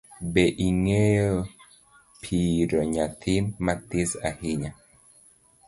Be ingeyo piro nyathii mathis ahinya?